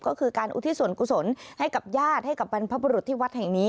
ก็คือการอุทิศส่วนกุศลให้กับญาติให้กับบรรพบุรุษที่วัดแห่งนี้